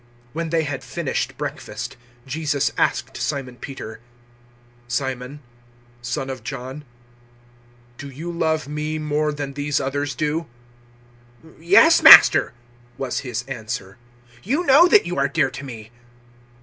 021:015 When they had finished breakfast, Jesus asked Simon Peter, "Simon, son of John, do you love me more than these others do?" "Yes, Master," was his answer; "you know that you are dear to me."